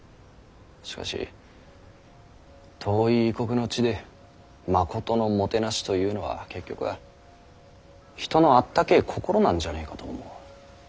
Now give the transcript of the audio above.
しかし遠い異国の地でまことのもてなしというのは結局は人のあったけぇ心なんじゃねえかと思う。